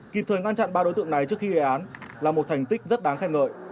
kịp thời ngăn chặn ba đối tượng này trước khi gây án là một thành tích rất đáng khen ngợi